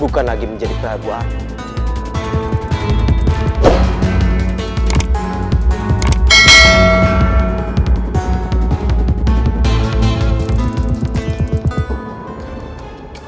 bukan lagi menjadi peraguan